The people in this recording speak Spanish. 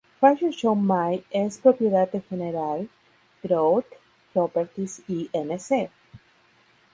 Fashion Show Mall es propiedad de General Growth Properties Inc.